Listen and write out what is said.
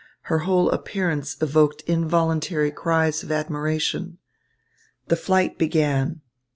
Her whole appearance evoked involuntary cries of admiration. The flight began.